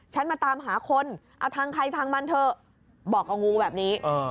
ฉันมาตามหาคนทางใครทางบ้านเถอะบอกกับงูแบบนี้